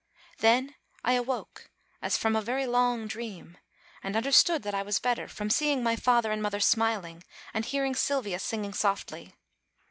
Then I awoke as from a very long dream, and under stood that I was better from seeing my father and mother smiling, and hearing Sylvia singing softly.